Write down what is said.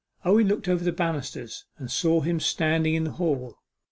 Owen looked over the banisters, and saw him standing in the hall.